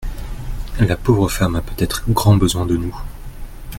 La pauvre femme a peut-être grand besoin de nous.